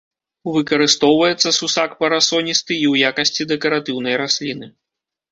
Выкарыстоўваецца сусак парасоністы і ў якасці дэкаратыўнай расліны.